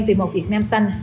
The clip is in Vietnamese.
vì một việt nam xanh